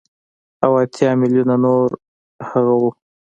او اتيا ميليونه نور هغه وو.